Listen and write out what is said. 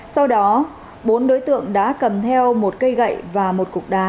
sau đó bốn đối tượng đã cầm theo một cây gậy và một cục đá